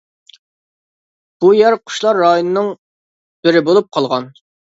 بۇ يەر قۇشلار رايونىنىڭ بىرى بولۇپ قالغان.